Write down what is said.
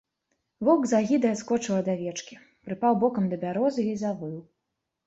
Воўк з агідай адскочыў ад авечкі, прыпаў бокам да бярозы і завыў.